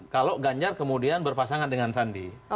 kalau ganjar kemudian berpasangan dengan sandi